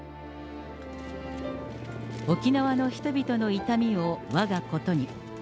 沖縄の人々の痛みをわがことに。